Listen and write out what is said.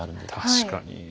確かに。